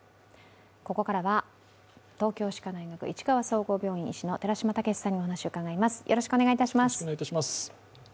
ここからは東京歯科大学市川総合病院医師の寺嶋毅さんにお話を伺います。